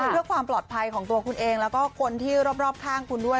เพื่อความปลอดภัยของตัวคุณเองแล้วก็คนที่รอบข้างคุณด้วย